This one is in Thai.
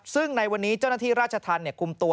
ซึ่งในวันนี้เจ้าหน้าที่ราชทันเนี่ยกลุ่มตัว